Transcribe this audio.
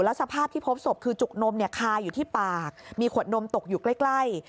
สภาพที่พบศพคือจุกนมคาอยู่ที่ปากมีขวดนมตกอยู่ใกล้